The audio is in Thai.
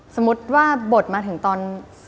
สมมุติว่าบทมาถึงตอน